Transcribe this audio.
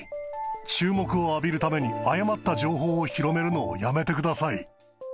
注目を浴びるために誤った情報を広めるのをやめてください。